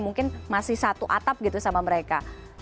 mungkin masih satu atap gitu sama mereka